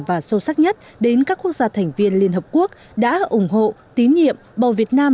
và sâu sắc nhất đến các quốc gia thành viên liên hợp quốc đã ủng hộ tín nhiệm bầu việt nam